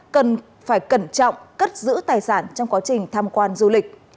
cần phải cẩn trọng cất giữ tài sản trong quá trình tham quan du lịch